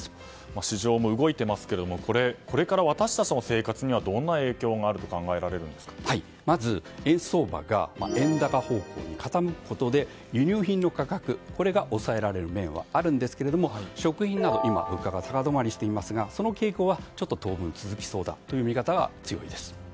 市場も動いていますけれどもこれから私たちの生活にはどんな影響があるとまず、円相場が円高方向に傾くことで輸入品の価格が抑えられる面はあるんですけれども食品など今、物価が高止まりしていますがその傾向は当分強まりそうという見方が強いです。